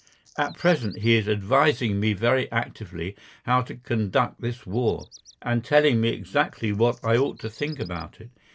At present he is advising me very actively how to conduct this war, and telling me exactly what I ought to think about it.